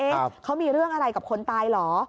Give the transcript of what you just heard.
เขามีเรื่องอะไรกับคนตายเหรอ